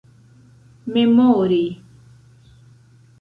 memori